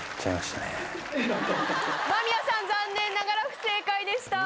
間宮さん残念ながら不正解でした。